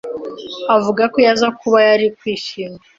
Avuga ko iyo aza kuba yari kwishima